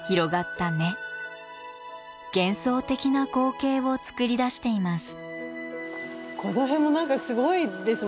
幻想的な光景をつくり出しています。